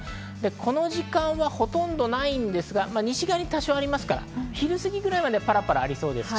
この時間はほとんどないんですが、西側に多少ありますから昼過ぎぐらいまではパラパラありそうです。